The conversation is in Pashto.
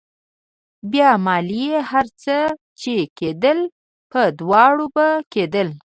بيا مالې هر څه چې کېدل په دواړو به کېدل.